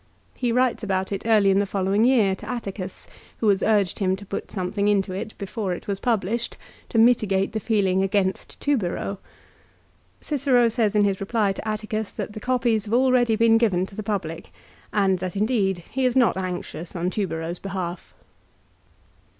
He writes about it early in the following year, to Atticus, who has urged him to put something into it, before it was published, to mitigate the feeling against Tubero. Cicero says in his reply to Atticus that the copies have already been given to the public, and that, indeed, he is not anxious on Tubero's behalf.